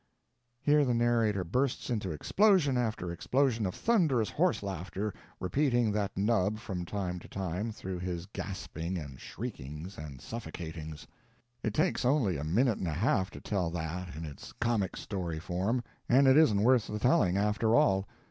_" Here the narrator bursts into explosion after explosion of thunderous horse laughter, repeating that nub from time to time through his gasping and shriekings and suffocatings. It takes only a minute and a half to tell that in its comic story form; and isn't worth the telling, after all.